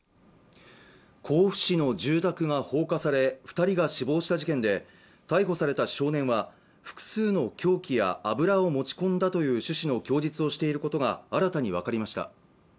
甲府市の住宅が放火され二人が死亡した事件で逮捕された少年は複数の凶器や油を持ち込んだという趣旨の供述をしていることが新たに分かりました